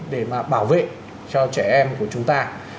để mà bảo vệ cho trẻ em của chúng ta